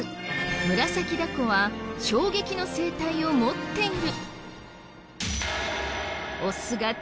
ムラサキダコは衝撃の生態を持っている。